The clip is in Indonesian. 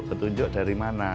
petunjuk dari mana